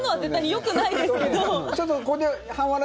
よくないですね。